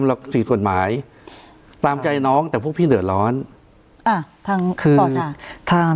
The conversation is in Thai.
หลักสูตรกฎหมายตามใจน้องแต่พวกพี่เหนือร้อนอ่ะทางคือถ้า